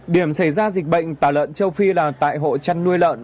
điểm xảy ra dịch bệnh tả lợn châu phi là tại hộ chăn nuôi lợn